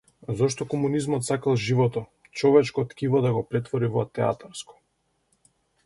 Зошто комунизмот сакал живото, човечко ткиво да го претвори во театарско?